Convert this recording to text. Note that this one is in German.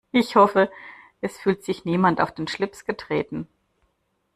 Ich hoffe, es fühlt sich niemand auf den Schlips getreten.